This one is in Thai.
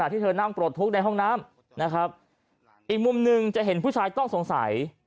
ที่เธอนั่งปลดทุกข์ในห้องน้ำนะครับอีกมุมหนึ่งจะเห็นผู้ชายต้องสงสัย